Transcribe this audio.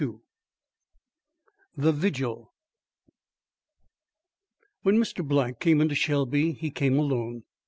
XXXII THE VIGIL When Mr. Black came into Shelby, he came alone.